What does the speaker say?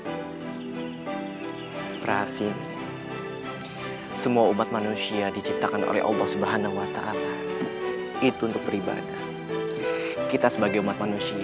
umat manusia jin zelle syaitan diciptakan oleh allah subhanahuwata'ala kecil kecil juga kita sebagai umat manusia jin dan syetan diciptakan oleh allah subhanahuwata'ala itu untuk berb mentioned that we are sentienthumans until we receive this humuh and sharing in our capacity